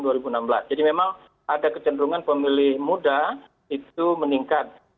jadi memang ada kecenderungan pemilih muda itu meningkat